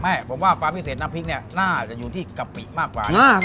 ไม่ผมว่าความพิเศษน้ำพริกเนี่ยน่าจะอยู่ที่กะปิมากกว่า